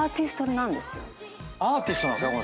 アーティストなんですか